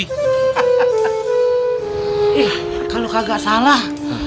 he he he kalau kagak salah